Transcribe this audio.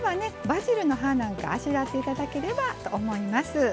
バジルの葉なんかあしらって頂ければと思います。